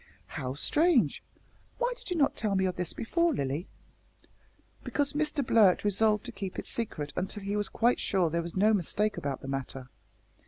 '" "How strange! Why did you not tell me of this before, Lilly?" "Because Mr Blurt resolved to keep it secret until he was quite sure there was no mistake about the matter.